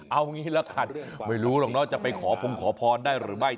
เอางี้ละกันไม่รู้หรอกเนาะจะไปขอพงขอพรได้หรือไม่